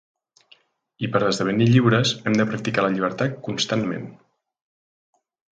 I per esdevenir lliures hem de practicar la llibertat constantment.